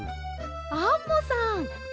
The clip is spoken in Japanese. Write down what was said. アンモさん！